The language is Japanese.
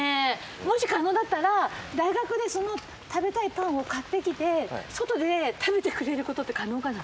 もし可能だったら大学でその食べたいパンを買ってきて外で食べてくれることって可能かな？